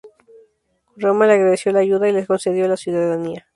Roma le agradeció la ayuda y le concedió la ciudadanía.